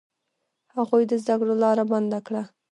هغوی د زده کړو لاره بنده کړه.